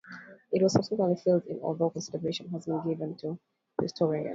It was subsequently filled in, although consideration has been given to restoring it.